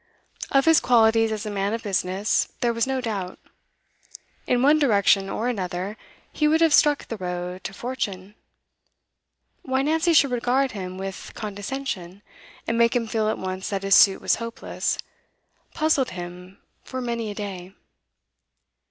Of his qualities as a man of business there was no doubt; in one direction or another, he would have struck the road to fortune; why Nancy should regard him with condescension, and make him feel at once that his suit was hopeless, puzzled him for many a day.